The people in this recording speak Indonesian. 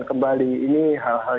itu juga dipahami oleh anak anak